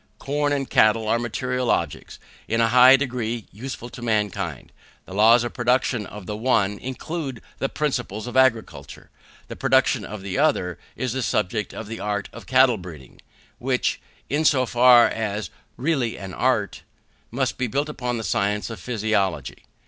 Corn and cattle are material objects, in a high degree useful to mankind. The laws of the production of the one include the principles of agriculture; the production of the other is the subject of the art of cattle breeding, which, in so far as really an art, must be built upon the science of physiology.